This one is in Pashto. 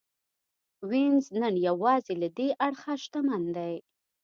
وینز نن یوازې له دې اړخه شتمن دی